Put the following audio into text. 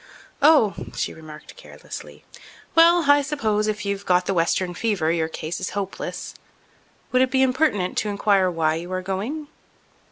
"Oh!" she remarked carelessly. "Well, I suppose if you've got the Western fever your case is hopeless. Would it be impertinent to inquire why you are going?"